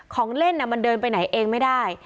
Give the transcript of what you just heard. ของเล่นมันเดินไปไหนเองไม่ได้